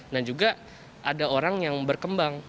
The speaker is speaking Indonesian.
dan juga ada orang yang berkembang